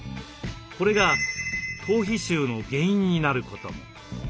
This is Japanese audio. これが頭皮臭の原因になることも。